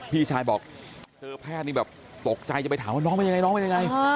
พี่ชายบอกเจอแพทย์นี่แบบตกใจจะไปถามว่าน้องเป็นอย่างไร